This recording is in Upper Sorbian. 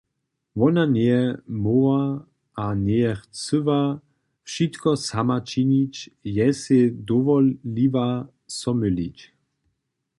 Wona njeje móhła a njeje chcyła wšitko sama činić, je sej dowoliła so mylić.